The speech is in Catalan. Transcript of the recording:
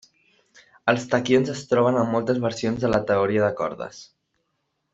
Els taquions es troben en moltes versions de la teoria de cordes.